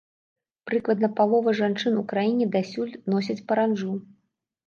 Прыкладна палова жанчын у краіне дасюль носяць паранджу.